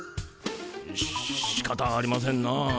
ししかたありませんな。